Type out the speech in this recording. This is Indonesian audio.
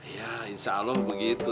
ya insya allah begitu